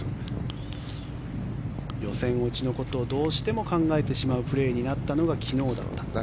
予選落ちのことをどうしても考えてしまうプレーになったのが昨日だった。